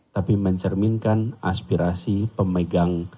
tapi mencerminkan aspirasi pemegang